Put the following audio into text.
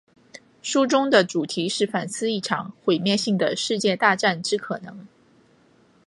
书中的主题是反思一场毁灭性的世界大战之可能。